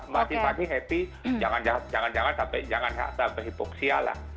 maksudnya happy jangan sampai hypoxia lah